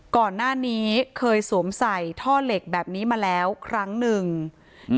ก่อนหน้านี้เคยสวมใส่ท่อเหล็กแบบนี้มาแล้วครั้งหนึ่งอืม